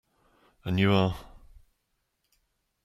And you are?